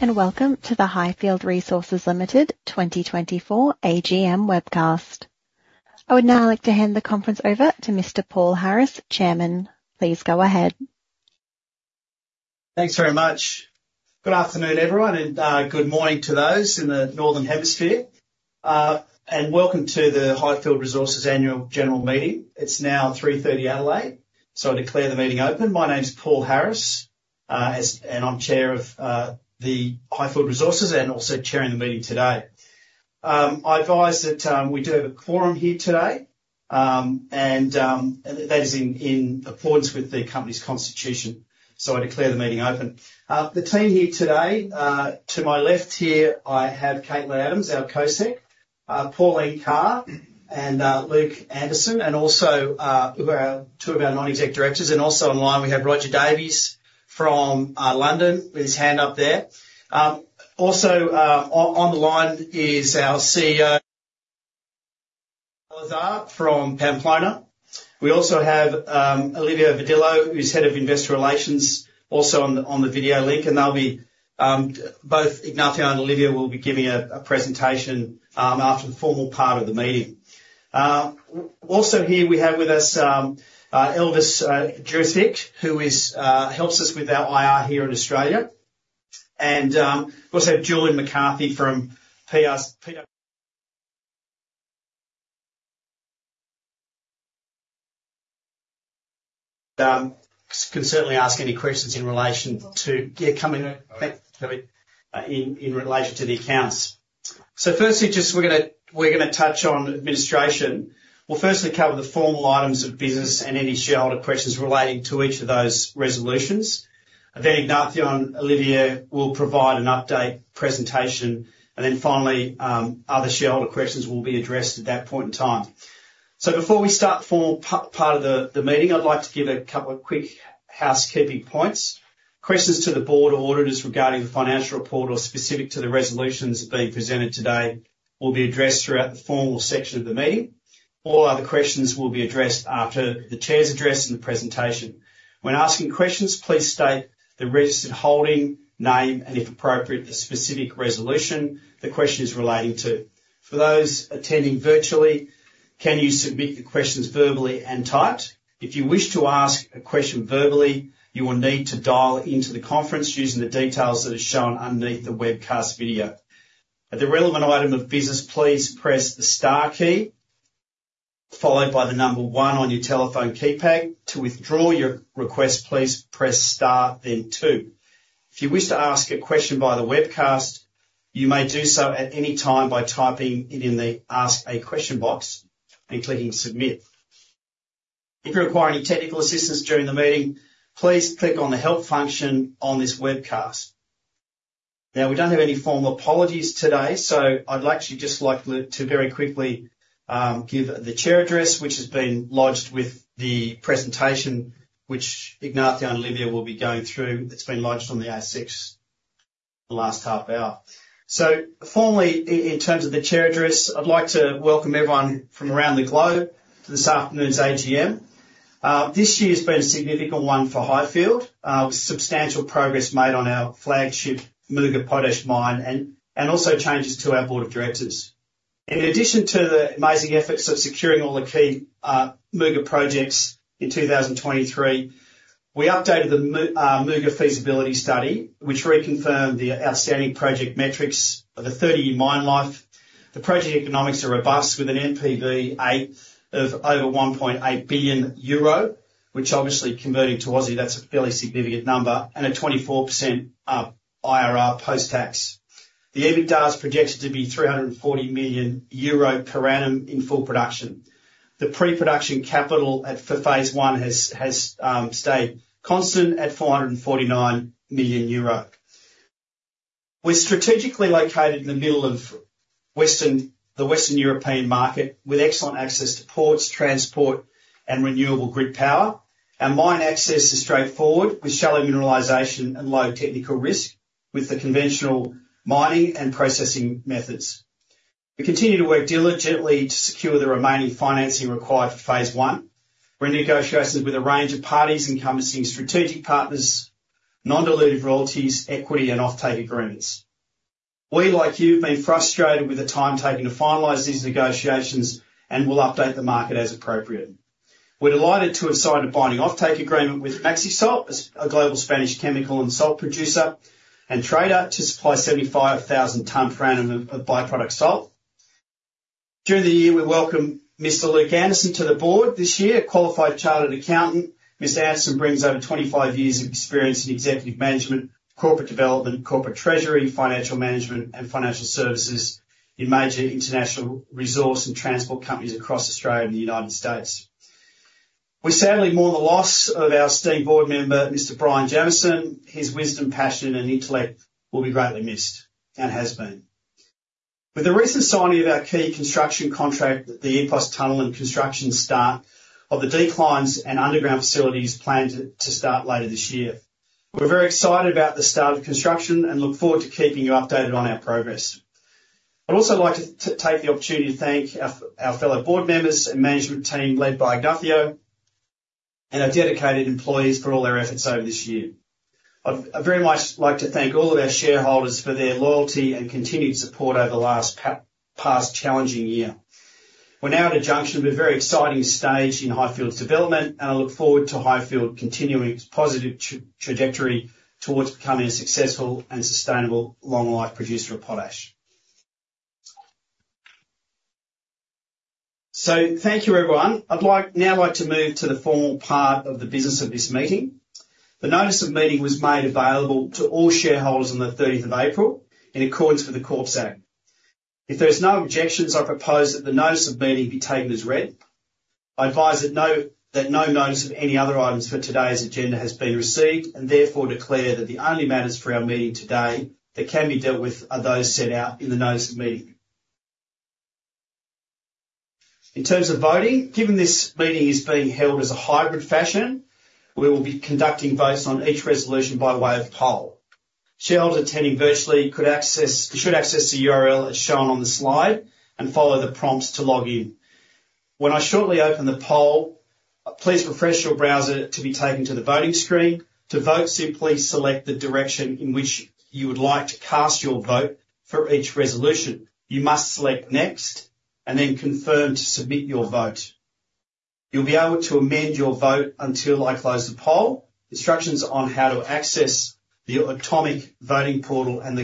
Welcome to the Highfield Resources Limited 2024 AGM Webcast. I would now like to hand the conference over to Mr. Paul Harris, Chairman. Please go ahead. Thanks very much. Good afternoon, everyone, and good morning to those in the Northern Hemisphere, and welcome to the Highfield Resources Annual General Meeting. It's now 3:30 P.M. Adelaide, so I declare the meeting open. My name's Paul Harris, and I'm chair of the Highfield Resources, and also chairing the meeting today. I advise that we do have a quorum here today, and that is in accordance with the company's constitution. So I declare the meeting open. The team here today, to my left here, I have Katelyn Adams, our co-sec, Pauline Carr and Luke Anderson, and also, who are two of our non-exec directors, and also online we have Roger Davey from London, with his hand up there. Also, on the line is our CEO, Ignacio Salazar, from Pamplona. We also have Olivier Vadillo, who's Head of Investor Relations, also on the video link, and they'll be, both Ignacio and Olivier will be giving a presentation after the formal part of the meeting. Also here we have with us Elvis Jurcevic, who helps us with our IR here in Australia, and we also have Julian McCarthy from PwC. Can certainly ask any questions in relation to... Yeah, come in. Okay. Thanks, in relation to the accounts. So firstly, just we're gonna touch on administration. We'll firstly cover the formal items of business and any shareholder questions relating to each of those resolutions. Then Ignacio and Olivier will provide an update presentation, and then finally, other shareholder questions will be addressed at that point in time. So before we start the formal part of the meeting, I'd like to give a couple of quick housekeeping points. Questions to the board or auditors regarding the financial report or specific to the resolutions being presented today will be addressed throughout the formal section of the meeting. All other questions will be addressed after the chair's address and the presentation. When asking questions, please state the registered holding, name, and if appropriate, the specific resolution the question is relating to. For those attending virtually, can you submit your questions verbally and typed? If you wish to ask a question verbally, you will need to dial into the conference using the details that are shown underneath the webcast video. At the relevant item of business, please press the star key, followed by the number one on your telephone keypad. To withdraw your request, please press star, then two. If you wish to ask a question via the webcast, you may do so at any time by typing it in the Ask a Question box and clicking Submit. If you require any technical assistance during the meeting, please click on the Help function on this webcast. Now, we don't have any formal apologies today, so I'd like to just like to very quickly give the Chair's address, which has been lodged with the presentation, which Ignacio and Olivier will be going through. It's been lodged on the ASX the last half hour. So formally, in terms of the Chair's address, I'd like to welcome everyone from around the globe to this afternoon's AGM. This year's been a significant one for Highfield, with substantial progress made on our flagship Muga potash mine and also changes to our board of directors. In addition to the amazing efforts of securing all the key Muga projects in 2023, we updated the Muga feasibility study, which reconfirmed the outstanding project metrics of a 30-year mine life. The project economics are robust, with an NPV8 of over 1.8 billion euro, which obviously converting to Aussie, that's a fairly significant number, and a 24%, IRR post-tax. The EBITDA is projected to be EUR 340 million per annum in full production. The pre-production capital at, for Phase One has stayed constant at 449 million euro. We're strategically located in the middle of the Western European market, with excellent access to ports, transport, and renewable grid power. Our mine access is straightforward, with shallow mineralization and low technical risk, with the conventional mining and processing methods. We continue to work diligently to secure the remaining financing required for Phase One. We're in negotiations with a range of parties encompassing strategic partners, non-dilutive royalties, equity, and offtake agreements. We, like you, have been frustrated with the time taken to finalize these negotiations, and will update the market as appropriate. We're delighted to have signed a binding offtake agreement with Maxisalt, a global Spanish chemical and salt producer and trader, to supply 75,000 tonnes per annum of byproduct salt. During the year, we welcomed Mr. Luke Anderson to the board. This year, a qualified chartered accountant, Mr. Anderson brings over 25 years of experience in executive management, corporate development, corporate treasury, financial management, and financial services in major international resource and transport companies across Australia and the United States. We sadly mourn the loss of our esteemed board member, Mr. Brian Jamieson. His wisdom, passion, and intellect will be greatly missed, and has been. With the recent signing of our key construction contract, the EPOS-Tunelan construction start of the declines and underground facilities planned to start later this year. We're very excited about the start of construction and look forward to keeping you updated on our progress. I'd also like to take the opportunity to thank our our fellow board members and management team, led by Ignacio, and our dedicated employees for all their efforts over this year. I'd, I'd very much like to thank all of our shareholders for their loyalty and continued support over the last past challenging year. We're now at a junction of a very exciting stage in Highfield's development, and I look forward to Highfield continuing its positive trajectory towards becoming a successful and sustainable long-life producer of potash. So thank you, everyone. I'd like now to move to the formal part of the business of this meeting. The notice of meeting was made available to all shareholders on the thirteenth of April, in accordance with the Corporations Act. If there's no objections, I propose that the notice of meeting be taken as read. I advise that no notice of any other items for today's agenda has been received, and therefore declare that the only matters for our meeting today that can be dealt with are those set out in the notice of meeting. In terms of voting, given this meeting is being held as a hybrid fashion, we will be conducting votes on each resolution by way of poll. Shareholders attending virtually should access the URL as shown on the slide, and follow the prompts to log in. When I shortly open the poll, please refresh your browser to be taken to the voting screen. To vote, simply select the direction in which you would like to cast your vote for each resolution. You must select Next, and then Confirm to submit your vote. You'll be able to amend your vote until I close the poll. Instructions on how to access the Automic Voting portal and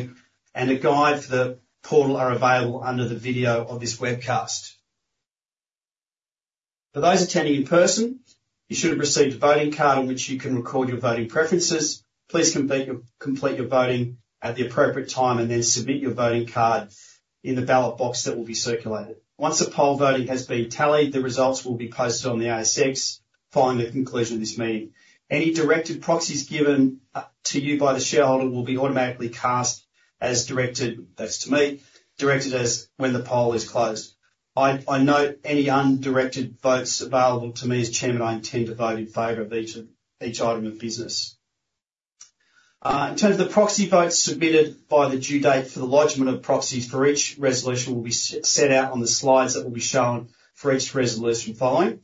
a guide for the portal are available under the video of this webcast. For those attending in person, you should have received a voting card on which you can record your voting preferences. Please complete your voting at the appropriate time, and then submit your voting card in the ballot box that will be circulated. Once the poll voting has been tallied, the results will be posted on the ASX following the conclusion of this meeting. Any directed proxies given to you by the shareholder will be automatically cast as directed, that's to me, directed as when the poll is closed. I note any undirected votes available to me as chairman. I intend to vote in favor of each item of business. In terms of the proxy votes submitted by the due date for the lodgment of proxies for each resolution will be set out on the slides that will be shown for each resolution following.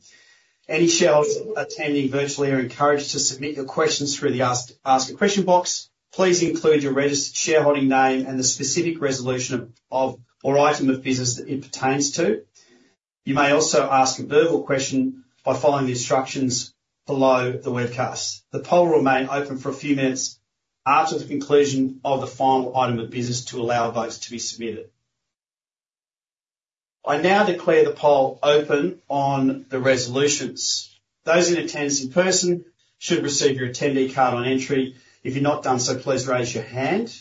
Any shareholders attending virtually are encouraged to submit your questions through the Ask a Question box. Please include your registered shareholding name and the specific resolution or item of business that it pertains to. You may also ask a verbal question by following the instructions below the webcast. The poll will remain open for a few minutes after the conclusion of the final item of business to allow votes to be submitted. I now declare the poll open on the resolutions. Those in attendance in person should receive your attendee card on entry. If you've not done so, please raise your hand.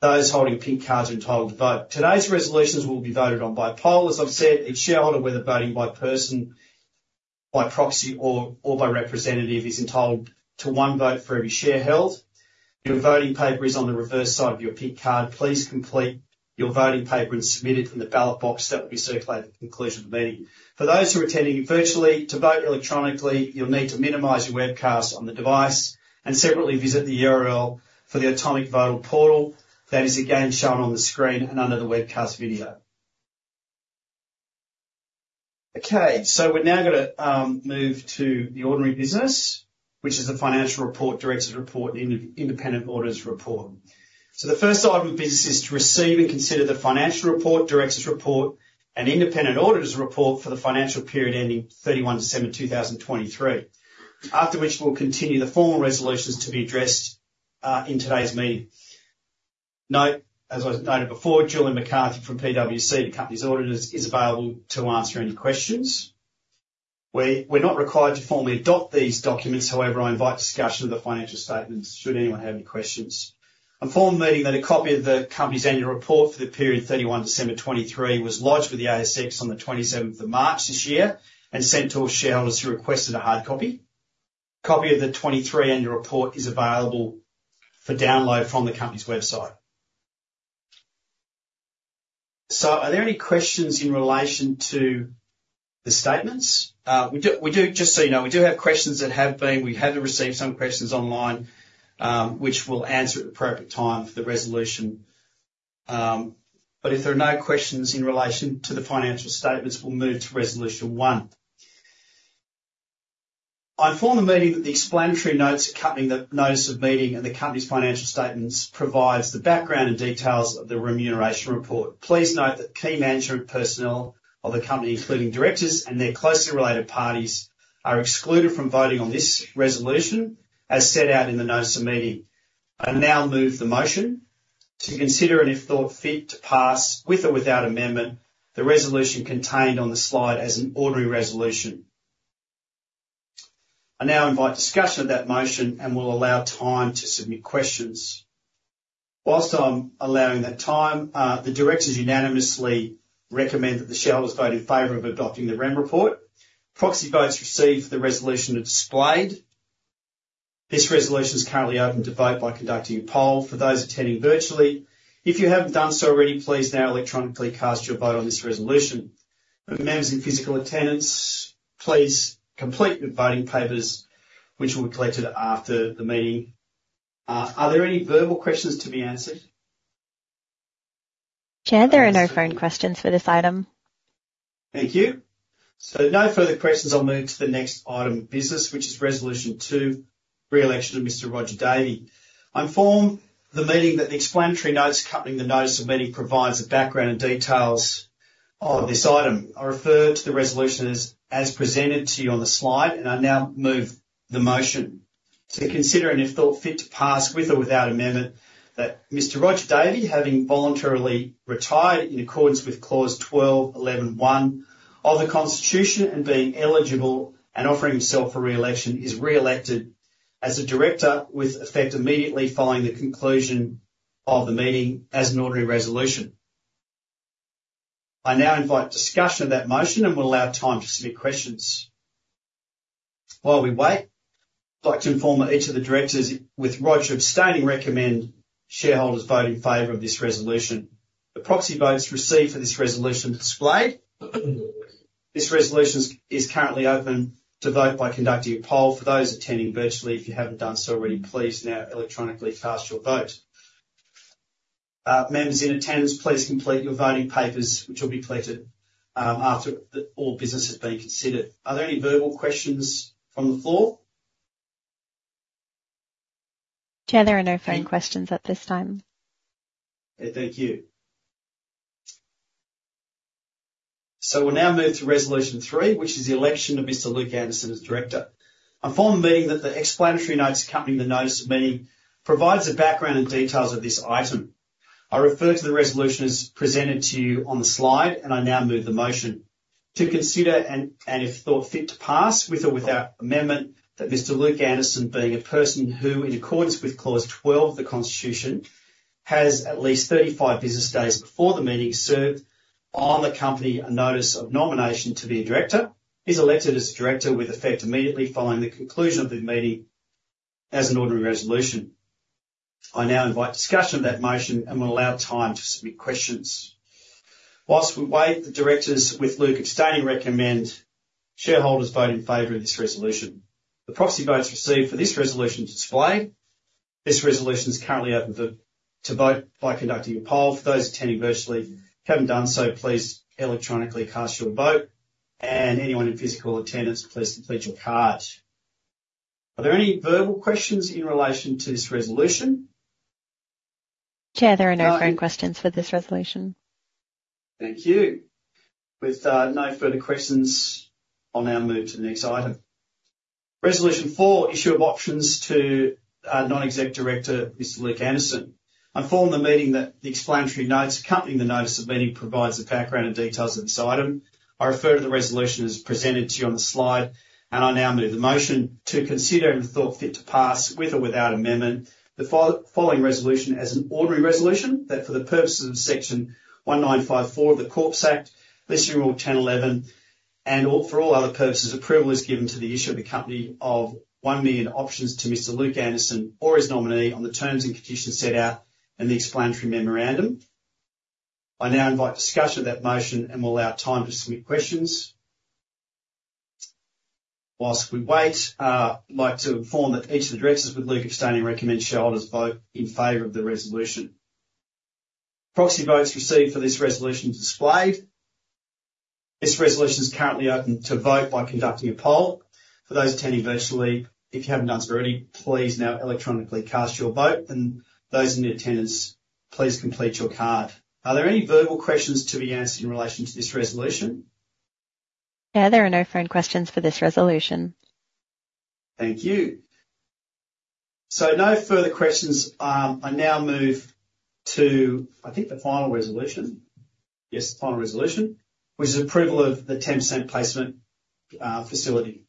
Those holding pink cards are entitled to vote. Today's resolutions will be voted on by poll, as I've said. Each shareholder, whether voting by person, by proxy, or by representative, is entitled to one vote for every share held. Your voting paper is on the reverse side of your pink card. Please complete your voting paper and submit it in the ballot box that will be circulated at the conclusion of the meeting. For those who are attending virtually, to vote electronically, you'll need to minimize your webcast on the device and separately visit the URL for the Automic Voting portal. That is again shown on the screen and under the webcast video. Okay, so we're now gonna move to the ordinary business, which is the financial report, directors' report, and independent auditors' report. So the first item of business is to receive and consider the financial report, directors' report, and independent auditors' report for the financial period ending 31 December 2023. After which, we'll continue the formal resolutions to be addressed in today's meeting. Note, as I've noted before, Julian McCarthy from PwC, the company's auditors, is available to answer any questions. We're not required to formally adopt these documents, however, I invite discussion of the financial statements should anyone have any questions. I inform the meeting that a copy of the company's annual report for the period 31 December 2023 was lodged with the ASX on the 27th of March this year and sent to all shareholders who requested a hard copy. A copy of the 2023 annual report is available for download from the company's website. So are there any questions in relation to the statements? Just so you know, we have received some questions online, which we'll answer at the appropriate time for the resolution. But if there are no questions in relation to the financial statements, we'll move to resolution one. I inform the meeting that the explanatory notes accompanying the notice of meeting and the company's financial statements provides the background and details of the remuneration report. Please note that key management personnel of the company, including directors and their closely related parties, are excluded from voting on this resolution, as set out in the notice of meeting. I now move the motion to consider, and if thought fit, to pass, with or without amendment, the resolution contained on the slide as an ordinary resolution. I now invite discussion of that motion and will allow time to submit questions. While I'm allowing that time, the directors unanimously recommend that the shareholders vote in favor of adopting the Rem report. Proxy votes received for the resolution are displayed. This resolution is currently open to vote by conducting a poll. For those attending virtually, if you haven't done so already, please now electronically cast your vote on this resolution. For the members in physical attendance, please complete your voting papers, which will be collected after the meeting. Are there any verbal questions to be answered? Chair, there are no phone questions for this item. Thank you. So no further questions. I'll move to the next item of business, which is Resolution 2, re-election of Mr. Roger Davey. I inform the meeting that the explanatory notes accompanying the notice of meeting provide the background and details of this item. I refer to the resolution as presented to you on the slide, and I now move the motion to consider, and if thought fit, to pass, with or without amendment, that Mr. Roger Davey, having voluntarily retired in accordance with Clause 12.11.1 of the Constitution, and being eligible and offering himself for re-election, is re-elected as a director with effect immediately following the conclusion of the meeting as an ordinary resolution. I now invite discussion of that motion and will allow time to submit questions. While we wait, I'd like to inform each of the directors, with Roger abstaining, recommend shareholders vote in favor of this resolution. The proxy votes received for this resolution are displayed. This resolution is currently open to vote by conducting a poll. For those attending virtually, if you haven't done so already, please now electronically cast your vote. Members in attendance, please complete your voting papers, which will be collected after all business has been considered. Are there any verbal questions from the floor? Chair, there are no phone questions at this time. Thank you. So we'll now move to Resolution 3, which is the election of Mr. Luke Anderson as director. I inform the meeting that the explanatory notes accompanying the notice of meeting provides a background and details of this item. I refer to the resolution as presented to you on the slide, and I now move the motion to consider, and if thought fit, to pass, with or without amendment, that Mr. Luke Anderson, being a person who, in accordance with Clause 12 of the Constitution, has at least 35 business days before the meeting, served on the company a notice of nomination to be a director, is elected as director with effect immediately following the conclusion of the meeting as an ordinary resolution. I now invite discussion of that motion and will allow time to submit questions. Whilst we wait, the directors, with Luke abstaining, recommend shareholders vote in favor of this resolution. The proxy votes received for this resolution are displayed. This resolution is currently open, to vote by conducting a poll. For those attending virtually, if you haven't done so, please electronically cast your vote, and anyone in physical attendance, please complete your card. Are there any verbal questions in relation to this resolution? Chair, there are no phone questions for this resolution. Thank you. With no further questions, I'll now move to the next item. Resolution 4: issue of options to our non-exec director, Mr. Luke Anderson. I inform the meeting that the explanatory notes accompanying the notice of meeting provides a background and details of this item. I refer to the resolution as presented to you on the slide, and I now move the motion to consider, and if thought fit, to pass, with or without amendment, the following resolution as an ordinary resolution, that for the purposes of Section 195(4) of the Corporations Act, Listing Rule 10.11, and for all other purposes, approval is given to the issue of the company of 1 million options to Mr. Luke Anderson or his nominee, on the terms and conditions set out in the explanatory memorandum. I now invite discussion of that motion and will allow time to submit questions. While we wait, I'd like to inform that each of the directors, with Luke abstaining, recommend shareholders vote in favor of the resolution. Proxy votes received for this resolution are displayed. This resolution is currently open to vote by conducting a poll. For those attending virtually, if you haven't done so already, please now electronically cast your vote, and those in attendance, please complete your card. Are there any verbal questions to be asked in relation to this resolution? Yeah, there are no phone questions for this resolution. Thank you. So no further questions. I now move to, I think, the final resolution. Yes, the final resolution, which is approval of the 10% placement facility.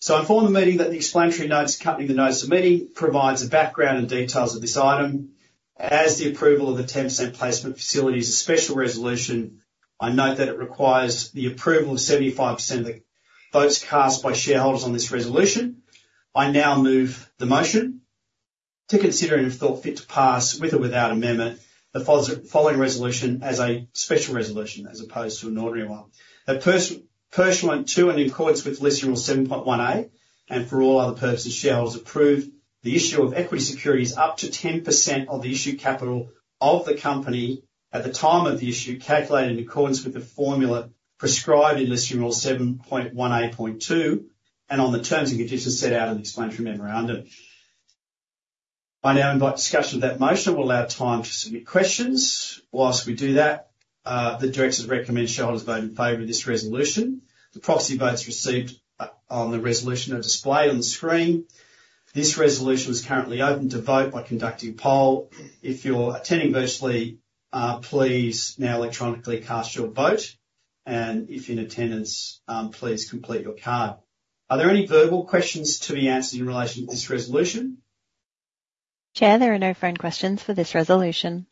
So I inform the meeting that the explanatory notes accompanying the notice of meeting provides a background and details of this item. As the approval of the 10% placement facility is a special resolution, I note that it requires the approval of 75% of the votes cast by shareholders on this resolution. I now move the motion to consider, and if thought fit, to pass, with or without amendment, the following resolution as a special resolution, as opposed to an ordinary one. That pursuant to and in accordance with Listing Rule 7.1A, and for all other purposes, shareholders approve the issue of equity securities up to 10% of the issued capital of the company at the time of the issue, calculated in accordance with the formula prescribed in Listing Rule 7.1A, point 2, and on the terms and conditions set out in the explanatory memorandum. I now invite discussion of that motion and will allow time to submit questions. While we do that, the directors recommend shareholders vote in favor of this resolution. The proxy votes received on the resolution are displayed on the screen. This resolution is currently open to vote by conducting a poll. If you're attending virtually, please now electronically cast your vote, and if you're in attendance, please complete your card. Are there any verbal questions to be answered in relation to this resolution? Chair, there are no phone questions for this resolution.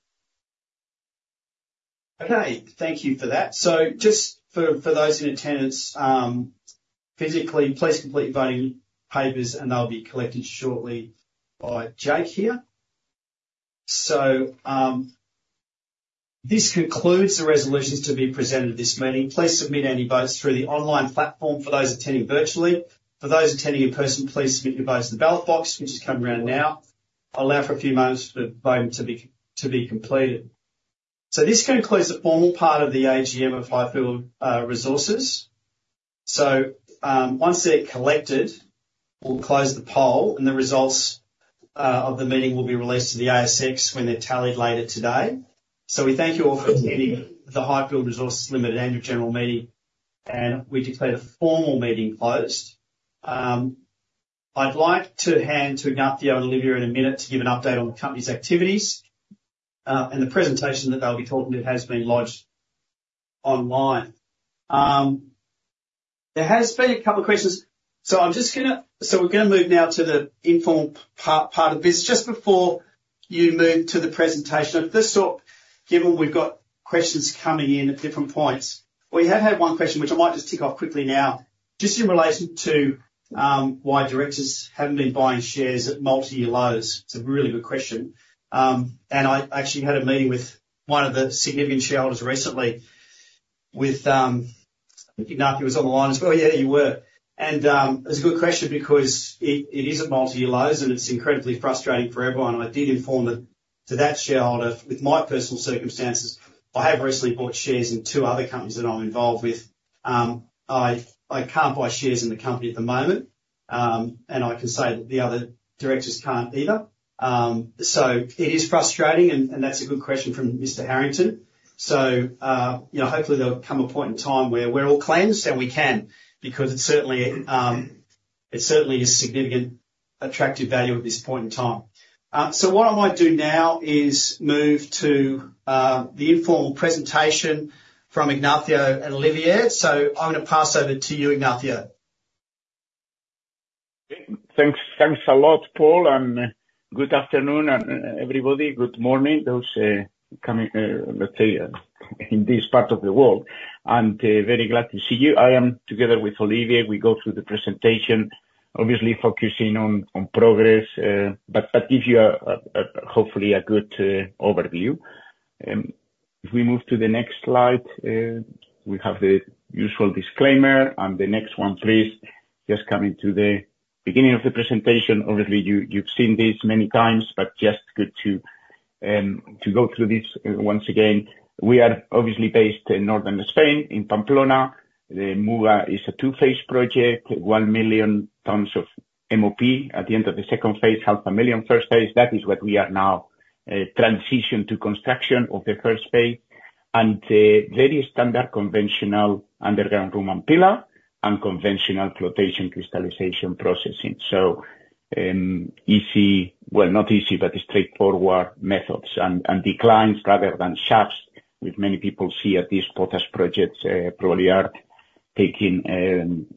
Okay. Thank you for that. So just for those in attendance physically, please complete your voting papers, and they'll be collected shortly by Jake here. So this concludes the resolutions to be presented at this meeting. Please submit any votes through the online platform for those attending virtually. For those attending in person, please submit your votes in the ballot box, which is coming around now. I'll allow for a few moments for the voting to be completed. So this concludes the formal part of the AGM of Highfield Resources. So once they're collected, we'll close the poll, and the results of the meeting will be released to the ASX when they're tallied later today. So we thank you all for attending the Highfield Resources Limited Annual General Meeting, and we declare the formal meeting closed. I'd like to hand to Ignacio and Olivier in a minute to give an update on the company's activities, and the presentation that they'll be talking to has been lodged online. There has been a couple of questions, so I'm just gonna— So we're gonna move now to the informal part of business. Just before you move to the presentation, at this sort, given we've got questions coming in at different points. We have had one question, which I might just tick off quickly now, just in relation to why directors haven't been buying shares at multi-year lows. It's a really good question. And I actually had a meeting with one of the significant shareholders recently, with, I think Ignacio was on the line as well. Yeah, you were. It's a good question because it, it is at multi-year lows, and it's incredibly frustrating for everyone. I did inform that, to that shareholder, with my personal circumstances, I have recently bought shares in two other companies that I'm involved with. I, I can't buy shares in the company at the moment, and I can say that the other directors can't either. So it is frustrating, and, and that's a good question from Mr. Harrington. So, you know, hopefully there'll come a point in time where we're all cleansed, and we can, because it certainly, it certainly is significant attractive value at this point in time. So what I want to do now is move to, the informal presentation from Ignacio and Olivier. So I'm gonna pass over to you, Ignacio. Thanks. Thanks a lot, Paul, and good afternoon, everybody. Good morning, those coming, let's say, in this part of the world. Very glad to see you. I am together with Olivier. We go through the presentation, obviously focusing on progress, but give you a hopefully a good overview. If we move to the next slide, we have the usual disclaimer, and the next one, please. Just coming to the beginning of the presentation, obviously you, you've seen this many times, but just good to go through this once again. We are obviously based in northern Spain, in Pamplona. The Muga is a two-phase project, 1 million tons of MOP at the end of the second phase, 500,000 first phase. That is what we are now transition to construction of the first phase, and very standard conventional underground room and pillar and conventional flotation crystallization processing. So, easy, well, not easy, but straightforward methods and declines rather than shafts, which many people see at these potash projects, probably are taking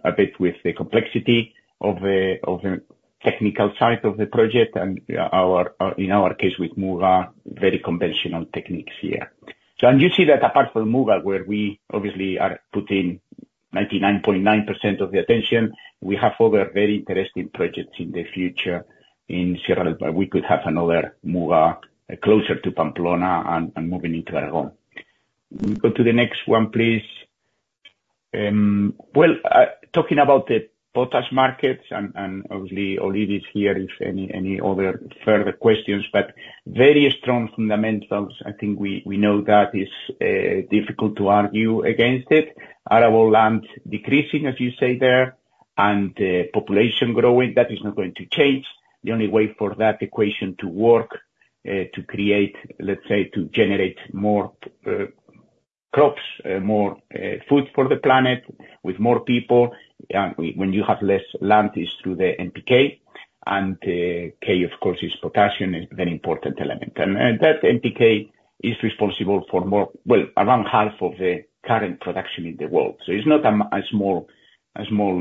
a bit with the complexity of the technical side of the project, and our, in our case, with Muga, very conventional techniques here. So and you see that apart from Muga, where we obviously are putting 99.9% of the attention, we have other very interesting projects in the future in Sierra del Perdón, but we could have another Muga closer to Pamplona and moving into Aragón. We go to the next one, please. Well, talking about the potash markets, and obviously Olivier is here, if any other further questions, but very strong fundamentals. I think we know that is difficult to argue against it. Arable land decreasing, as you say there, and population growing, that is not going to change. The only way for that equation to work, to create, let's say, to generate more crops, more food for the planet with more people, when you have less land, is through the NPK, and K, of course, is potassium, a very important element. And that NPK is responsible for more, well, around half of the current production in the world, so it's not a small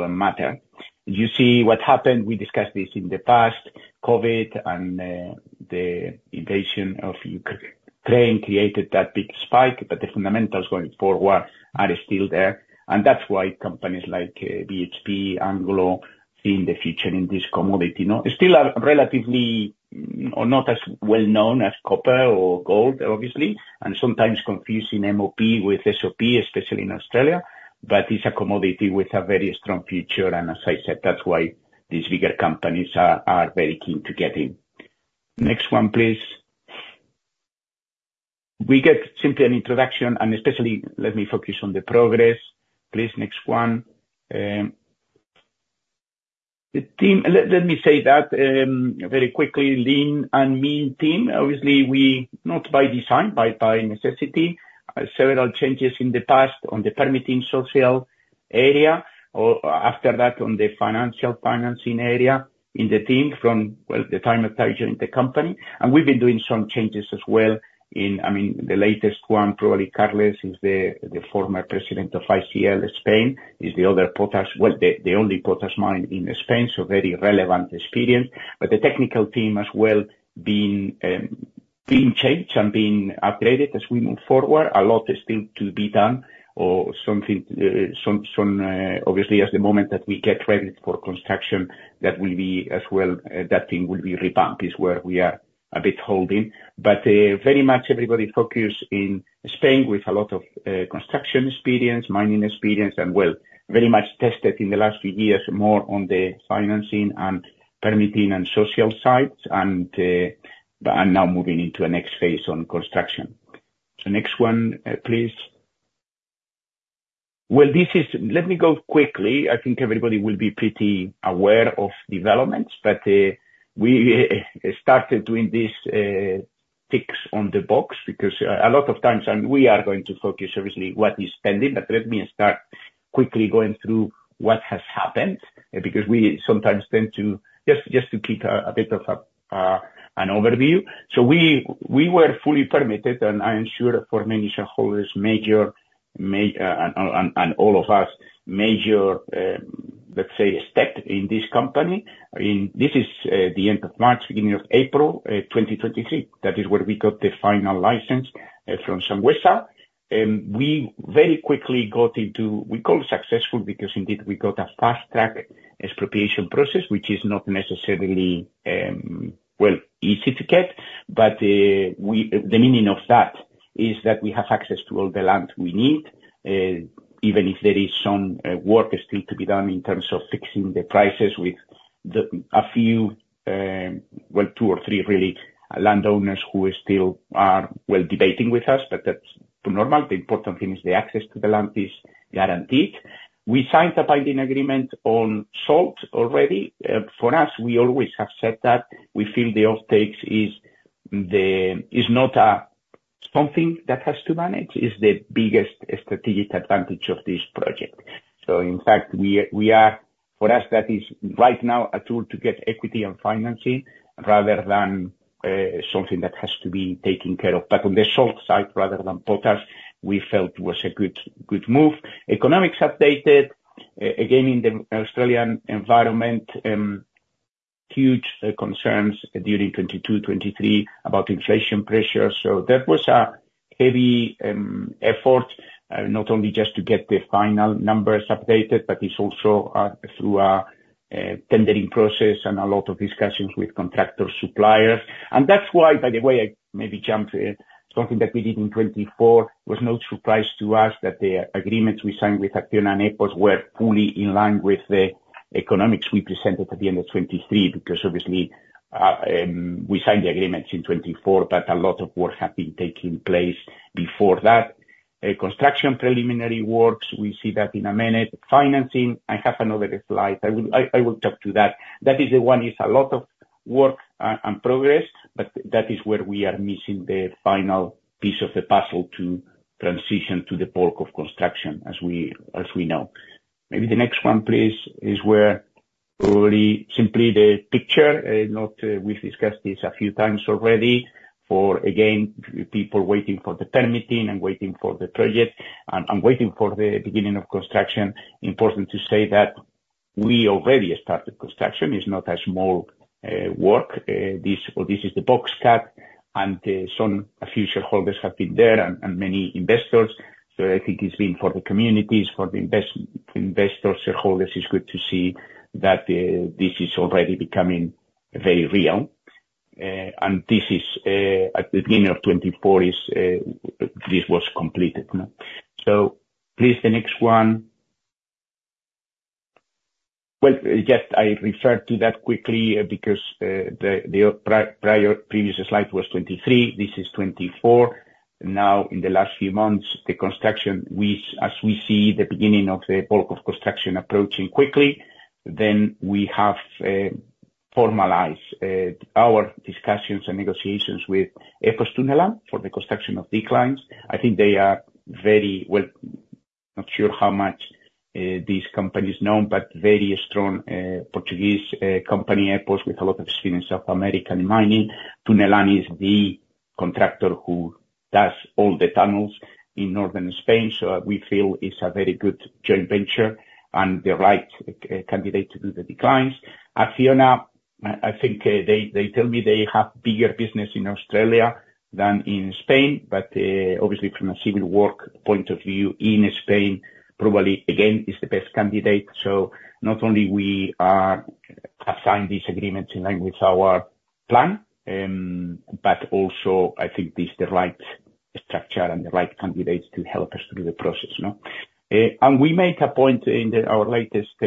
matter. You see what happened, we discussed this in the past, COVID and the invasion of Ukraine created that big spike, but the fundamentals going forward are still there. And that's why companies like BHP, Anglo, see the future in this commodity. Now, it's still a relatively, or not as well known as copper or gold, obviously, and sometimes confusing MOP with SOP, especially in Australia, but it's a commodity with a very strong future, and as I said, that's why these bigger companies are very keen to get in. Next one, please. We get simply an introduction, and especially, let me focus on the progress. Please, next one. The team, let me say that, very quickly, lean and mean team. Obviously, we... Not by design, by necessity, several changes in the past on the permitting social area, or after that, on the financial financing area in the team from, well, the time I joined the company, and we've been doing some changes as well in, I mean, the latest one, probably, Carles, is the, the former president of ICL Spain, is the other potash. Well, the, the only potash mine in Spain, so very relevant experience. But the technical team as well, being changed and being upgraded as we move forward. A lot is still to be done or something, some obviously, at the moment that we get ready for construction, that will be as well, that team will be revamped. It's where we are a bit holding. But, very much everybody focused in Spain with a lot of, construction experience, mining experience, and well, very much tested in the last few years, more on the financing and permitting and social sides, and, and now moving into a next phase on construction. So next one, please. Well, this is—let me go quickly. I think everybody will be pretty aware of developments, but, we started doing this, ticks on the box, because, a lot of times. And we are going to focus obviously what is pending, but let me start quickly going through what has happened, because we sometimes tend to—just, just to keep a, a bit of a, an overview. So we were fully permitted, and I am sure for many shareholders, major step in this company. I mean, this is the end of March, beginning of April, 2023. That is where we got the final license from Sangüesa. We very quickly got into, we call it successful, because indeed, we got a fast track expropriation process, which is not necessarily, well, easy to get. But the meaning of that is that we have access to all the land we need, even if there is some work still to be done in terms of fixing the prices with a few, well, two or three, really, landowners who are still, well, debating with us, but that's too normal. The important thing is the access to the land is guaranteed. We signed a binding agreement on salt already. For us, we always have said that we feel the offtake is the is not something that has to manage, is the biggest strategic advantage of this project. So in fact, we are. For us, that is right now a tool to get equity and financing, rather than something that has to be taken care of. But on the salt side, rather than potash, we felt was a good, good move. Economics updated, again, in the Australian environment, huge concerns during 2022, 2023 about inflation pressure. So that was a heavy effort, not only just to get the final numbers updated, but it's also through a tendering process and a lot of discussions with contractor suppliers. And that's why, by the way, I maybe jumped something that we did in 2024. Was no surprise to us that the agreements we signed with Acciona and EPOS were fully in line with the economics we presented at the end of 2023, because obviously, we signed the agreements in 2024, but a lot of work had been taking place before that. Construction preliminary works, we see that in a minute. Financing, I have another slide. I will talk to that. That is the one, is a lot of work and progress, but that is where we are missing the final piece of the puzzle to transition to the bulk of construction, as we know. Maybe the next one, please, is where already simply the picture, we've discussed this a few times already. Once again, people waiting for the permitting and waiting for the project and waiting for the beginning of construction. Important to say that we already started construction. It's not a small work. This, well, this is the box cut, and some, a few shareholders have been there and many investors. So I think it's been for the communities, for the investors, shareholders; it's good to see that this is already becoming very real. And this is at the beginning of 2024; this was completed, no? So please, the next one. Well, I just refer to that quickly, because the previous slide was 2023. This is 2024. Now, in the last few months, the construction, as we see the beginning of the bulk of construction approaching quickly, then we have formalized our discussions and negotiations with EPOS-Tunelan for the construction of declines. I think they are very, well, not sure how much this company is known, but very strong Portuguese company, EPOS, with a lot of experience of American mining. TUNELAN is the contractor who does all the tunnels in northern Spain, so we feel it's a very good joint venture and the right candidate to do the declines. Acciona, I think they tell me they have bigger business in Australia than in Spain, but obviously from a civil work point of view, in Spain, probably, again, is the best candidate. So not only we are assigning these agreements in line with our plan, but also, I think this is the right structure and the right candidates to help us through the process, no? And we make a point in our latest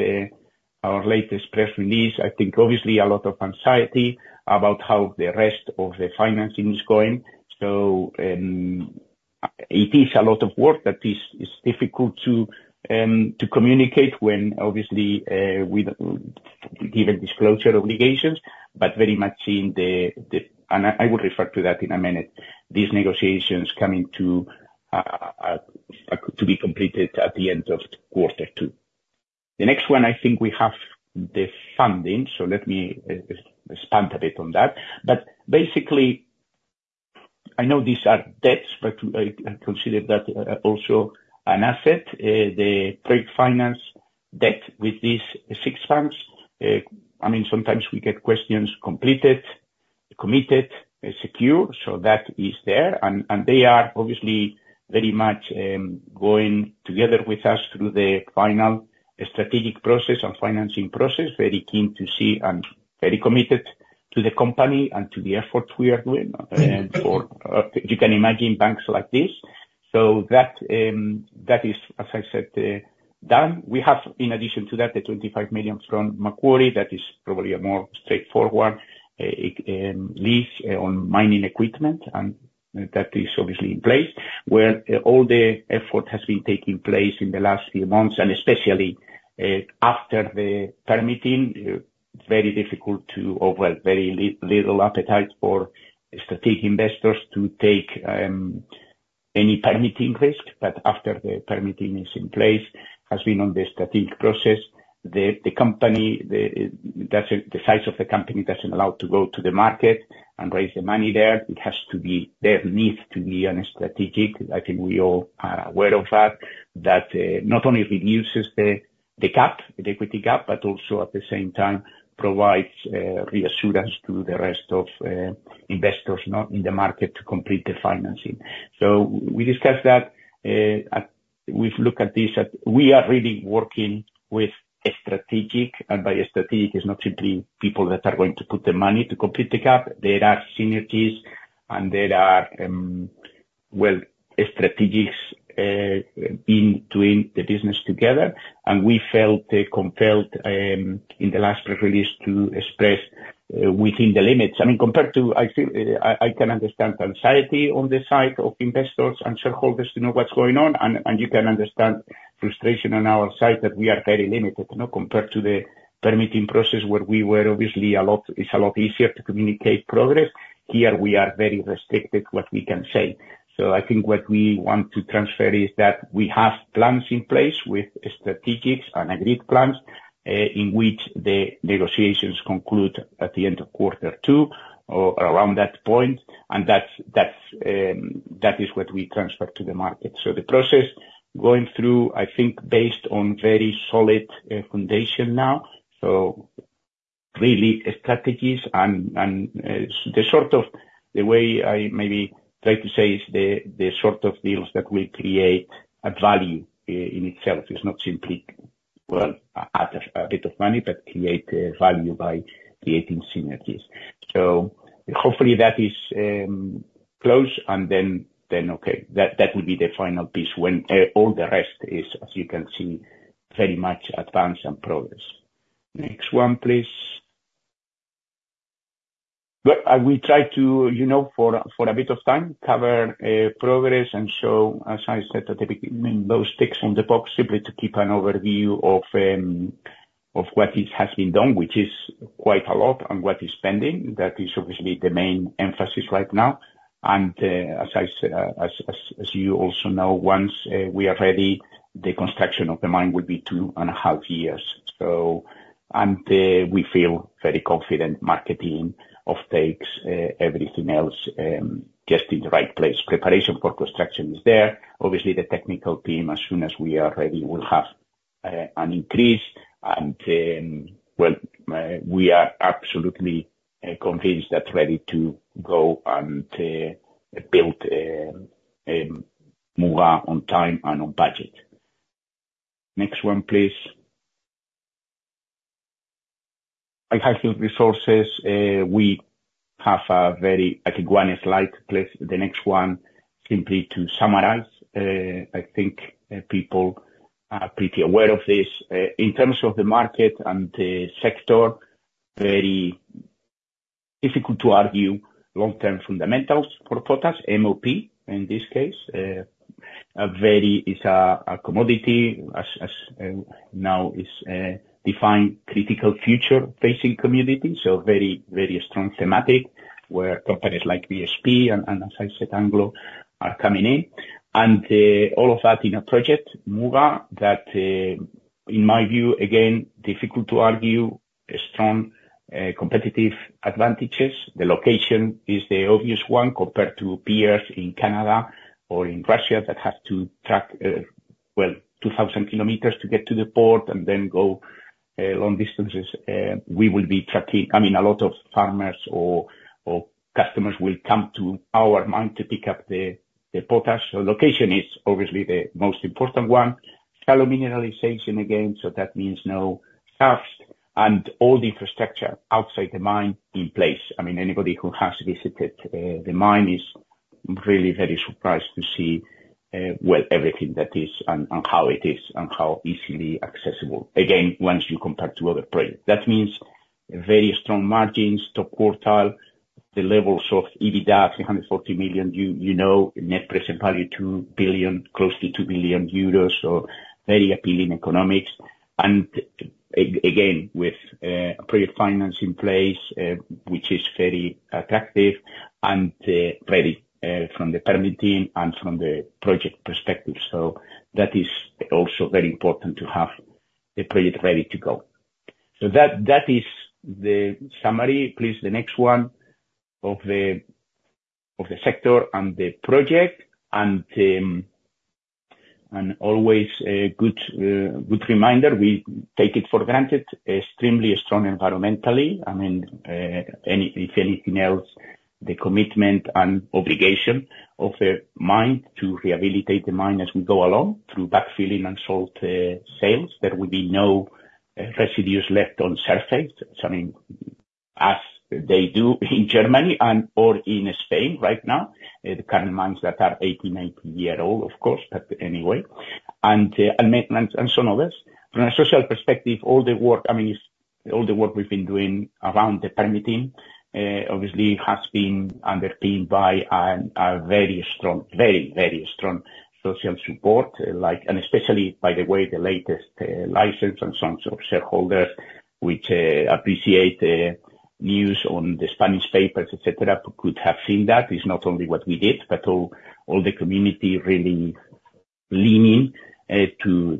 press release. I think obviously a lot of anxiety about how the rest of the financing is going. So, it is a lot of work that is difficult to communicate when obviously, we, given disclosure obligations, but very much in the, the. And I will refer to that in a minute. These negotiations coming to be completed at the end of quarter two. The next one, I think we have the funding, so let me expand a bit on that. But basically, I know these are debts, but I consider that also an asset, the trade finance debt with these six banks. I mean, sometimes we get questions completed, committed, secure, so that is there. And they are obviously very much going together with us through the final strategic process and financing process, very keen to see and very committed to the company and to the efforts we are doing, for... You can imagine banks like this. So that, that is, as I said, done. We have, in addition to that, the 25 million from Macquarie, that is probably a more straightforward lease on mining equipment, and that is obviously in place, where all the effort has been taking place in the last few months, and especially after the permitting, very difficult to, or well, very little appetite for strategic investors to take any permitting risk. But after the permitting is in place, has been on the strategic process, the, the company, the, that's, the size of the company doesn't allow to go to the market and raise the money there. It has to be, there needs to be a strategic. I think we all are aware of that, that not only reduces the, the gap, the equity gap, but also at the same time provides reassurance to the rest of investors not in the market to complete the financing. So we discussed that, we've looked at this. We are really working with a strategic, and by a strategic, it's not simply people that are going to put the money to complete the gap. There are synergies, and there are, well, strategics in doing the business together, and we felt compelled in the last press release to express within the limits. I mean, compared to I feel, I can understand anxiety on the side of investors and shareholders to know what's going on, and you can understand frustration on our side, that we are very limited, you know, compared to the permitting process, where we were obviously a lot - it's a lot easier to communicate progress. Here, we are very restricted what we can say. So I think what we want to transfer is that we have plans in place with strategics and agreed plans, in which the negotiations conclude at the end of quarter two or around that point, and that's, that is what we transfer to the market. So the process going through, I think, based on very solid foundation now, so really strategies and, and, the sort of, the way I maybe try to say, is the, the sort of deals that will create a value in itself. It's not simply, well, add a bit of money, but create value by creating synergies. So hopefully, that is close, and then, then, okay, that will be the final piece when all the rest is, as you can see, very much advanced and progress. Next one, please. Well, I will try to, you know, for a, for a bit of time, cover progress. And so, as I said at the beginning, those ticks in the box, simply to keep an overview of, of what is has been done, which is quite a lot, and what is pending. That is obviously the main emphasis right now. And, as I said, as you also know, once we are ready, the construction of the mine will be 2.5 years, so. And, we feel very confident, marketing, offtakes, everything else, just in the right place. Preparation for construction is there. Obviously, the technical team, as soon as we are ready, will have an increase. And, well, we are absolutely convinced that ready to go and build Muga on time and on budget. Next one, please. I have the resources. We have a very. I can go one slide, please, the next one, simply to summarize. I think, people are pretty aware of this. In terms of the market and the sector, very difficult to argue long-term fundamentals for potash, MOP, in this case. A very- it's a, a commodity as, as, now is, defined critical future facing community, so very, very strong thematic, where companies like BHP and, and as I said, Anglo, are coming in. And, all of that in a project, Muga, that, in my view, again, difficult to argue, strong, competitive advantages. The location is the obvious one, compared to peers in Canada or in Russia, that have to track, well, 2,000 kilometers to get to the port and then go, long distances. We will be tracking... I mean, a lot of farmers or, or customers will come to our mine to pick up the, the potash. So location is obviously the most important one. Shallow mineralization again, so that means no waste, and all the infrastructure outside the mine in place. I mean, anybody who has visited the mine is really very surprised to see, well, everything that is and how it is, and how easily accessible, again, once you compare to other projects. That means very strong margins, top quartile, the levels of EBITDA, 340 million, you know, net present value, 2 billion, close to 2 billion euros, so very appealing economics. And again, with project finance in place, which is very attractive, and ready from the permitting and from the project perspective, so that is also very important to have the project ready to go. So that is the summary. Please, the next one, of the sector and the project, and always a good reminder, we take it for granted, extremely strong environmentally. I mean, if anything else, the commitment and obligation of the mine to rehabilitate the mine as we go along, through backfilling and salt sales. There will be no residues left on surface. I mean, as they do in Germany and or in Spain right now, the current mines that are 80, 90 years old, of course, but anyway, and maintenance and so on others. From a social perspective, all the work, I mean, all the work we've been doing around the permitting, obviously has been underpinned by a very strong, very, very strong social support, like. And especially, by the way, the latest license and some shareholders which appreciate the news on the Spanish papers, et cetera, could have seen that. It's not only what we did, but all the community really leaning to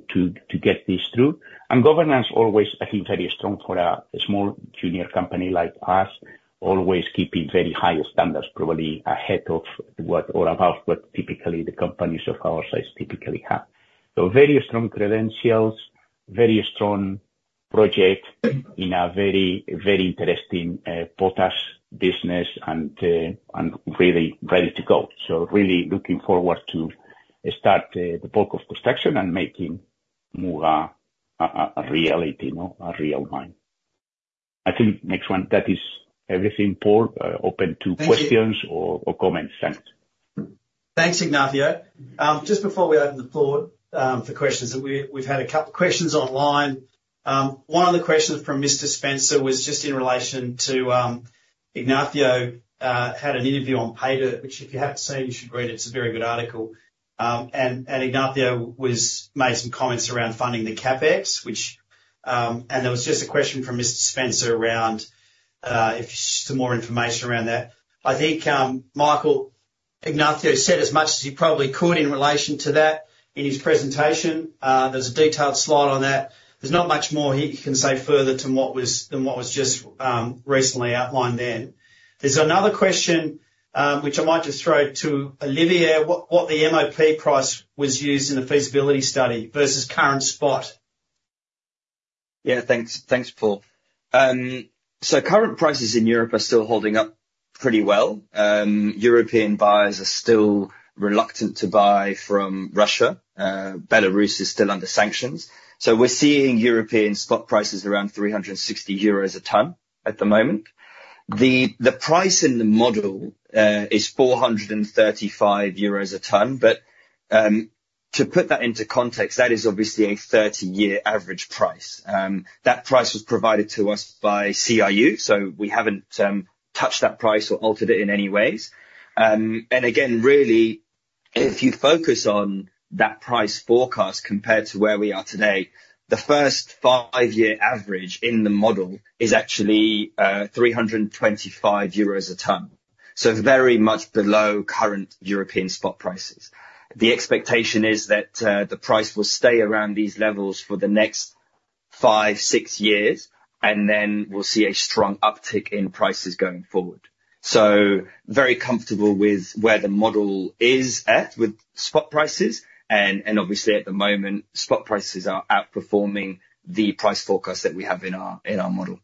get this through. And governance always, I think, very strong for a small junior company like us, always keeping very high standards, probably ahead of what, or above what typically the companies of our size typically have. So very strong credentials, very strong project in a very, very interesting potash business, and really ready to go. So really looking forward to start the bulk of construction and making Muga a reality, no? A real one. I think next one, that is everything, Paul. Open to questions- Thank you. Or comments. Thanks. Thanks, Ignacio. Just before we open the floor for questions, we've had a couple questions online. One of the questions from Mr. Spencer was just in relation to Ignacio had an interview on Paydirt, which if you haven't seen, you should read it. It's a very good article. And Ignacio made some comments around funding the CapEx. And there was just a question from Mr. Spencer around if some more information around that. I think, Michael, Ignacio said as much as he probably could in relation to that in his presentation. There's a detailed slide on that. There's not much more he can say further to what was than what was just recently outlined then. There's another question, which I might just throw to Olivier, what the MOP price was used in the feasibility study versus current spot? Yeah, thanks. Thanks, Paul. So current prices in Europe are still holding up pretty well. European buyers are still reluctant to buy from Russia. Belarus is still under sanctions, so we're seeing European spot prices around 360 euros a tonne at the moment. The price in the model is 435 euros a tonne, but to put that into context, that is obviously a 30-year average price. That price was provided to us by CRU, so we haven't touched that price or altered it in any ways. And again, really, if you focus on that price forecast compared to where we are today, the first 5-year average in the model is actually 325 euros a tonne, so very much below current European spot prices. The expectation is that, the price will stay around these levels for the next five to six years, and then we'll see a strong uptick in prices going forward. So very comfortable with where the model is at with spot prices, and obviously, at the moment, spot prices are outperforming the price forecast that we have in our model.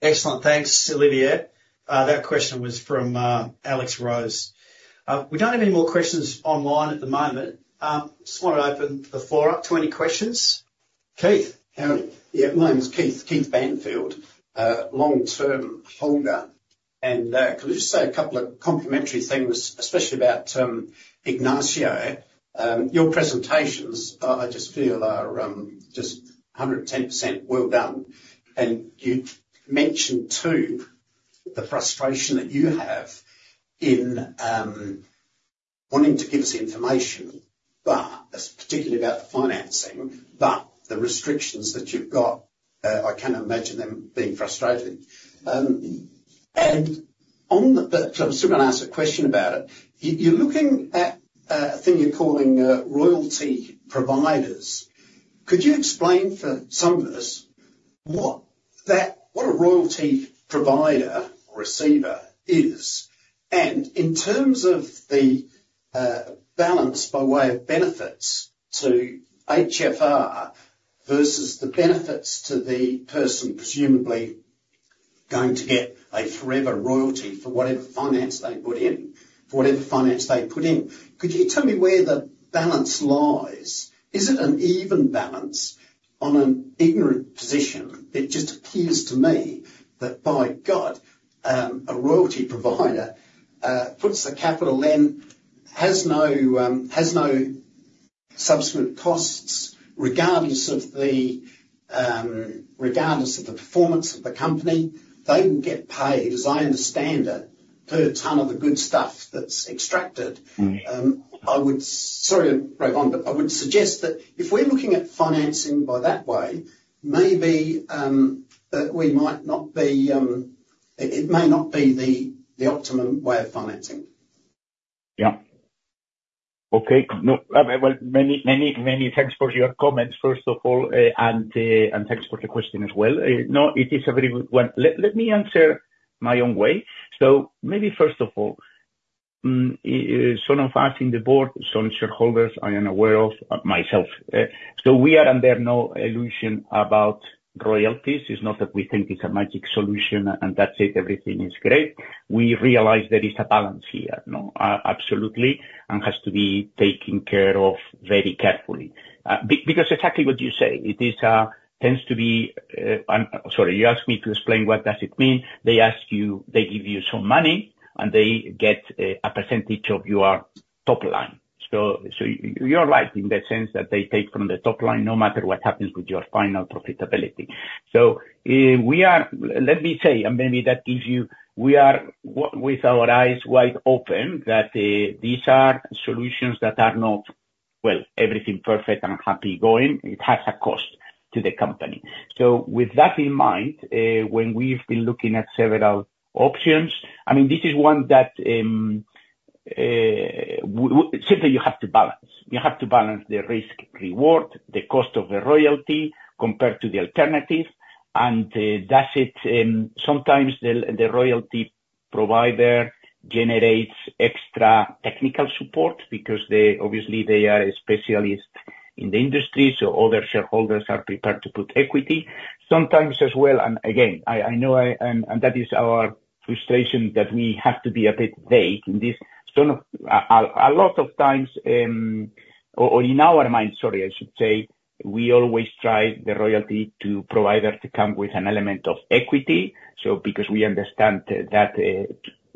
Excellent. Thanks, Olivier. That question was from Alex Rose. We don't have any more questions online at the moment. Just want to open the floor up to any questions. Keith? How are you? Yeah, my name is Keith, Keith Banfield, long-term holder. And could I just say a couple of complimentary things, especially about Ignacio? Your presentations, I just feel are just 110% well done. And you've mentioned, too, the frustration that you have in wanting to give us information, but that's particularly about the financing, but the restrictions that you've got. I can't imagine them being frustrating. But so I'm still gonna ask a question about it. You're looking at a thing you're calling royalty providers. Could you explain for some of us what a royalty provider or receiver is? In terms of the balance by way of benefits to HFR versus the benefits to the person presumably going to get a forever royalty for whatever finance they put in, for whatever finance they put in, could you tell me where the balance lies? Is it an even balance? On an ignorant position, it just appears to me that, by God, a royalty provider puts the capital in, has no subsequent costs, regardless of the performance of the company, they will get paid, as I understand it, per tonne of the good stuff that's extracted. Mm-hmm. I would, sorry to rave on, but I would suggest that if we're looking at financing by that way, maybe that we might not be. It may not be the optimum way of financing. Yeah. Okay. No, well, many, many, many thanks for your comments, first of all, and, and thanks for the question as well. No, it is a very good one. Let me answer my own way. So maybe first of all, some of us in the board, some shareholders, I am aware of, myself. So we are under no illusion about royalties. It's not that we think it's a magic solution, and that's it, everything is great. We realize there is a balance here, no, absolutely, and has to be taken care of very carefully. Because exactly what you say, it is, tends to be. Sorry, you asked me to explain what does it mean? They ask you - they give you some money, and they get, a percentage of your top line. So, you're right in the sense that they take from the top line, no matter what happens with your final profitability. So, we are. Let me say, and maybe that gives you. We are with our eyes wide open, that these are solutions that are not well everything perfect and happy going. It has a cost to the company. So with that in mind, when we've been looking at several options, I mean, this is one that simply you have to balance. You have to balance the risk, reward, the cost of the royalty compared to the alternative, and that's it. Sometimes the royalty provider generates extra technical support because they obviously are a specialist in the industry, so other shareholders are prepared to put equity. Sometimes as well, and again, I know that is our frustration, that we have to be a bit vague in this. So a lot of times, or in our mind, sorry, I should say, we always try the royalty provider to come with an element of equity. So because we understand that, that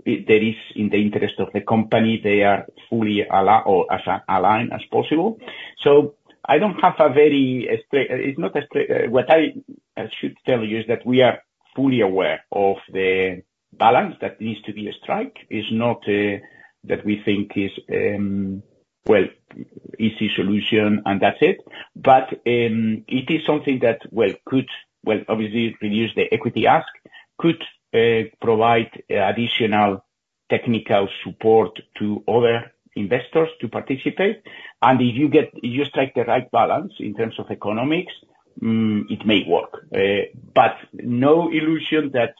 is in the interest of the company, they are fully aligned, or as aligned as possible. So I don't have a very—it's not a clear—what I should tell you is that we are fully aware of the balance that needs to be struck. It's not that we think is well, easy solution, and that's it. But, it is something that, well, could, well, obviously reduce the equity ask, could, provide, additional technical support to other investors to participate. And if you strike the right balance in terms of economics, it may work. But no illusion that,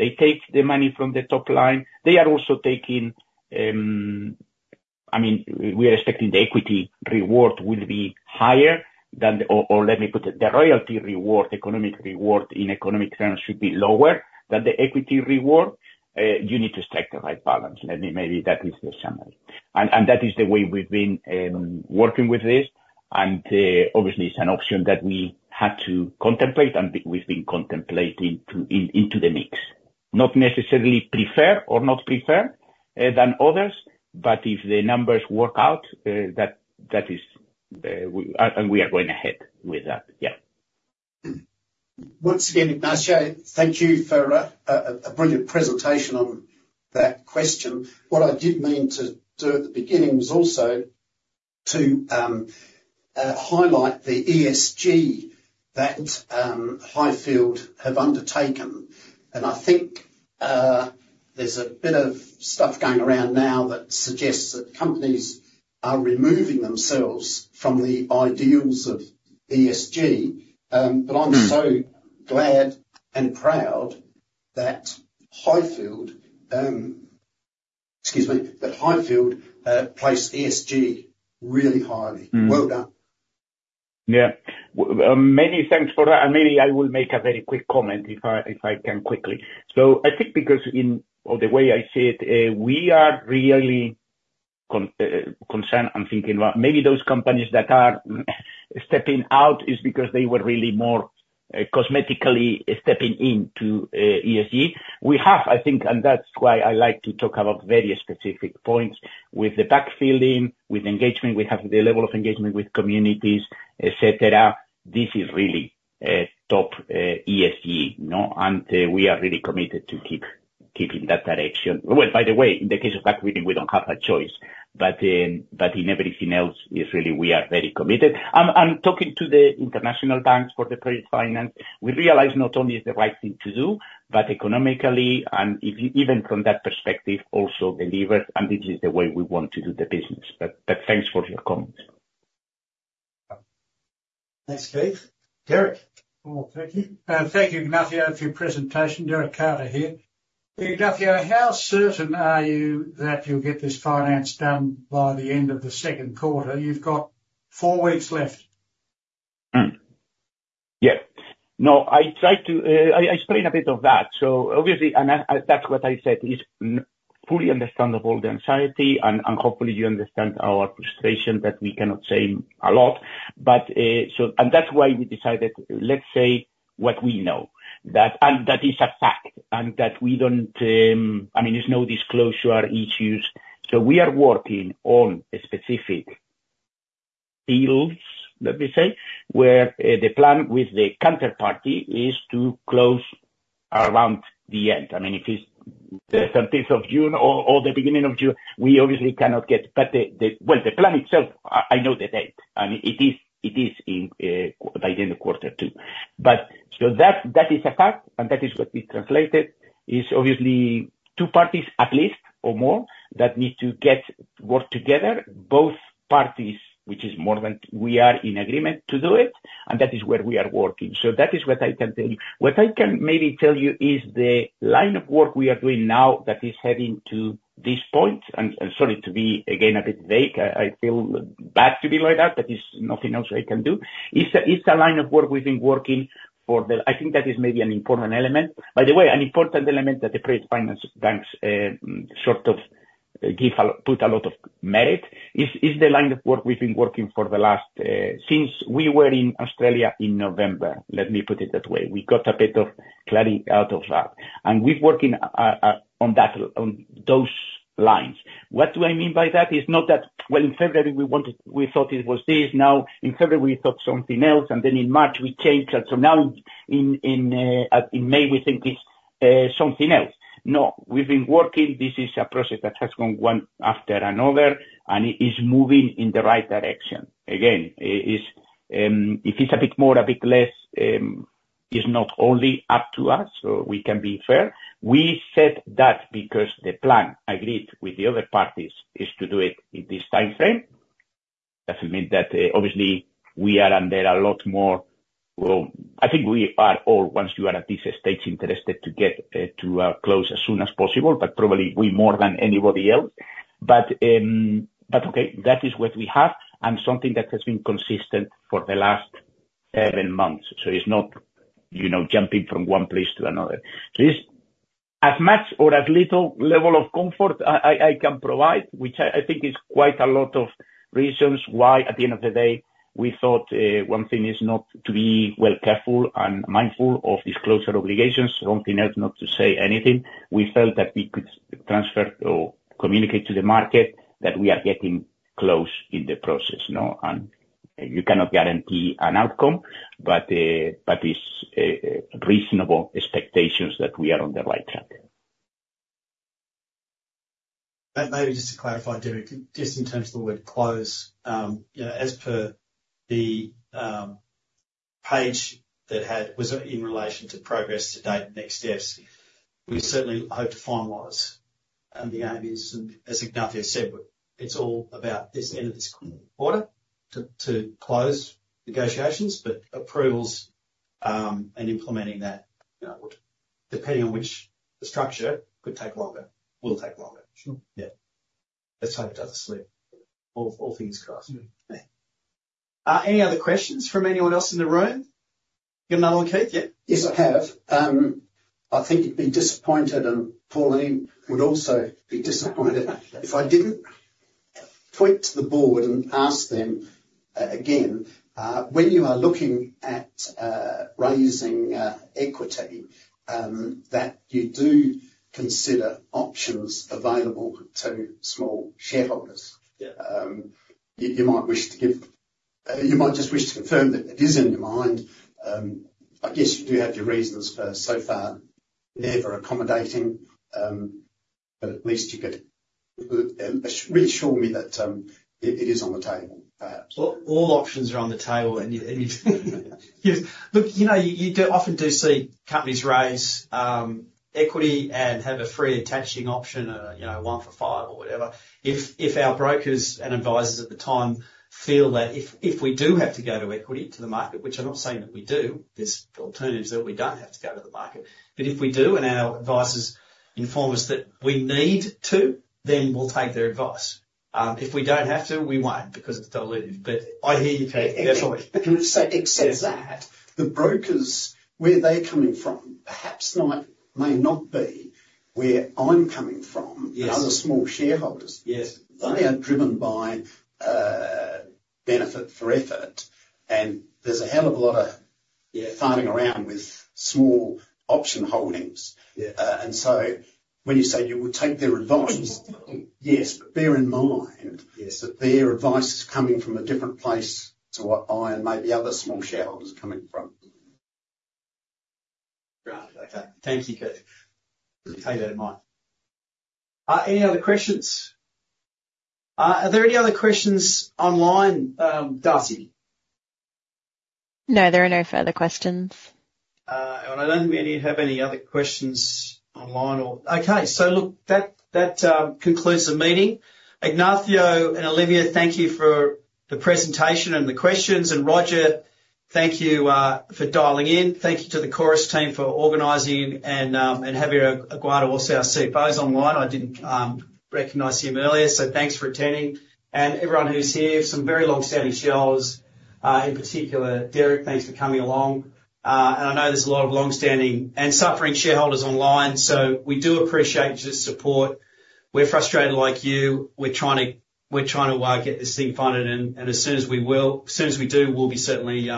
they take the money from the top line. They are also taking, I mean, we are expecting the equity reward will be higher than the, or, or let me put it, the royalty reward, economic reward, in economic terms, should be lower than the equity reward. You need to strike the right balance. Let me, maybe that is the summary. And, and that is the way we've been, working with this. And, obviously, it's an option that we had to contemplate, and we've been contemplating to, in, into the mix. Not necessarily prefer or not prefer than others, but if the numbers work out, that, that is, we, and we are going ahead with that. Yeah. Once again, Ignacio, thank you for a brilliant presentation on that question. What I did mean to do at the beginning was also to highlight the ESG that Highfield have undertaken. And I think there's a bit of stuff going around now that suggests that companies are removing themselves from the ideals of ESG. But I'm so glad and proud that Highfield, excuse me, that Highfield place ESG really highly. Mm. Well done. Yeah. Many thanks for that, and maybe I will make a very quick comment if I, if I can quickly. So I think because in, or the way I see it, we are really concerned and thinking about maybe those companies that are stepping out, is because they were really more cosmetically stepping into ESG. We have, I think, and that's why I like to talk about very specific points, with the backfilling, with engagement, we have the level of engagement with communities, et cetera. This is really a top ESG, you know, and we are really committed to keep, keep in that direction. Well, by the way, in the case of backfilling, we don't have a choice, but in everything else, it's really we are very committed. Talking to the international banks for the trade finance, we realize not only is the right thing to do, but economically, and even from that perspective, also delivers, and this is the way we want to do the business. But thanks for your comments. Thanks, Steve. Derek? Oh, thank you. Thank you, Ignacio, for your presentation. Derek Carter here. Ignacio, how certain are you that you'll get this finance done by the end of the second quarter? You've got four weeks left. Hmm. Yeah. No, I tried to, I explained a bit of that, so obviously, and that, that's what I said, is not fully understandable, the anxiety, and hopefully you understand our frustration that we cannot say a lot. But, so, and that's why we decided, let's say, what we know, that, and that is a fact, and that we don't, I mean, there's no disclosure issues. So we are working on specific deals, let me say, where the plan with the counterparty is to close around the end. I mean, if it's the thirteenth of June or the beginning of June, we obviously cannot get, but the, well, the plan itself, I know the date, and it is in, by the end of quarter two. That is a fact, and that is what is translated, is obviously two parties, at least or more, that need to work together. Both parties, which is more than we are in agreement to do it, and that is where we are working. So that is what I can tell you. What I can maybe tell you is the line of work we are doing now, that is heading to this point, and sorry to be again a bit vague. I feel bad to be like that, but there's nothing else I can do. It's a line of work we've been working for the... I think that is maybe an important element. By the way, an important element that the trade finance banks sort of give and put a lot of merit. It's the line of work we've been working for the last since we were in Australia in November, let me put it that way. We got a bit of clarity out of that, and we're working on that, on those lines. What do I mean by that? It's not that, well, in February we wanted, we thought it was this. Now, in February we thought something else, and then in March we changed that. So now in May we think it's something else. No, we've been working. This is a process that has gone one after another, and it's moving in the right direction. Again, it is, if it's a bit more, a bit less, it's not only up to us, so we can be fair. We said that because the plan agreed with the other parties is to do it in this timeframe. That means that, obviously we are in there a lot more. Well, I think we are all, once you are at this stage, interested to get to close as soon as possible, but probably we more than anybody else. But, but okay, that is what we have and something that has been consistent for the last seven months. So it's not, you know, jumping from one place to another. So it's as much or as little level of comfort I can provide, which I think is quite a lot of reasons why, at the end of the day, we thought, one thing is not to be, well, careful and mindful of these closure obligations, something else, not to say anything. We felt that we could transfer or communicate to the market that we are getting close in the process, you know, and you cannot guarantee an outcome, but, but it's reasonable expectations that we are on the right track. Maybe just to clarify, Derek, just in terms of the word close, you know, as per the page that was in relation to progress to date, next steps, we certainly hope to finalize. And the aim is, as Ignacio said, it's all about this end of this quarter to close negotiations, but approvals, and implementing that, you know, would, depending on which the structure could take longer, will take longer. Sure. Yeah. Let's hope it doesn't slip. All things crossed. Mm. Any other questions from anyone else in the room? You have another one, Keith? Yeah. Yes, I have. I think you'd be disappointed, and Pauline would also be disappointed if I didn't point to the board and ask them again, when you are looking at raising equity, that you do consider options available to small shareholders. Yeah. You might wish to give... You might just wish to confirm that it is in your mind. I guess you do have your reasons for, so far, never accommodating, but at least you could reassure me that it is on the table, perhaps. All options are on the table, and you know, you do often see companies raise equity and have a free attaching option, you know, one for five or whatever. If our brokers and advisors at the time feel that if we do have to go to equity, to the market, which I'm not saying that we do, there's alternatives that we don't have to go to the market. But if we do, and our advisors inform us that we need to, then we'll take their advice. If we don't have to, we won't, because it's dilutive. But I hear you, Keith, definitely. Can I just say, except that the brokers, where they're coming from, perhaps not, may not be where I'm coming from- Yes. and other small shareholders. Yes. They are driven by benefit for effort, and there's a hell of a lot of- Yeah Flogging around with small option holdings. Yeah. And so when you say you will take their advice--yes, but bear in mind- Yes That their advice is coming from a different place to what I, and maybe other small shareholders, are coming from. Got it. Okay. Thank you, Keith. We'll take that in mind. Any other questions? Are there any other questions online, Darcy? No, there are no further questions. I don't think we have any other questions online or... Okay. So look, that concludes the meeting. Ignacio and Olivier, thank you for the presentation and the questions. And Roger, thank you for dialing in. Thank you to the Chorus team for organizing and having Aguado, also our CFO, is online. I didn't recognize him earlier, so thanks for attending. And everyone who's here, some very long-standing shareholders, in particular, Derek, thanks for coming along. And I know there's a lot of long-standing and suffering shareholders online, so we do appreciate the support. We're frustrated like you. We're trying to get this thing funded, and as soon as we do, we'll be certainly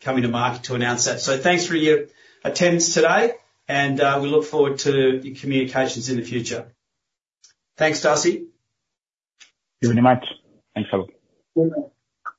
coming to market to announce that. Thanks for your attendance today, and we look forward to your communications in the future. Thanks, Darcy. Thank you very much. Thanks, all. Thank you.